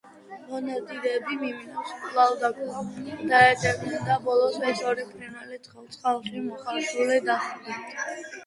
მონადირეები მიმინოს კვალდაკვალ დაედევნენ და ბოლოს ეს ორი ფრინველი ცხელ წყალში მოხარშული დახვდათ,